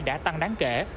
đã tăng đáng kể